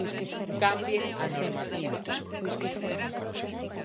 ¡Cambien a normativa!